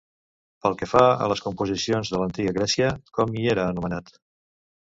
Pel que fa a les composicions de l'antiga Grècia, com hi era anomenat?